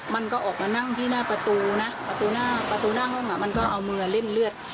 มันก็ออกมานั่งที่หน้าประตูนะประตูหน้าประตูหน้าห้องมันก็เอามือเล่นเลือด